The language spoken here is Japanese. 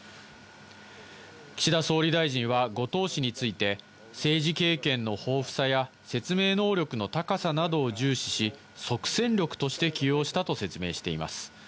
岸田総理大臣は後藤氏について、政治経験の豊富さや、説明能力の高さなどを重視し、即戦力として起用したと説明しています。